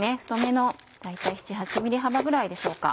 大体７８ｍｍ幅ぐらいでしょうか。